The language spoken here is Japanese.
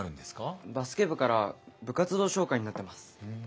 バスケ部から部活動紹介になってます。